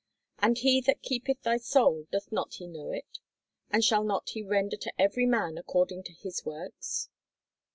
And he that keepeth thy soul, doth not he know it? And shall not he render to every man according to his works?